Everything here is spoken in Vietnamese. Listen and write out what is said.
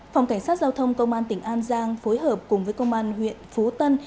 phòng cảnh sát giao thông công an tỉnh an giang phối hợp cùng với công an huyện phú tân